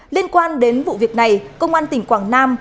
liên quan đến vụ việc này công an tỉnh quảng nam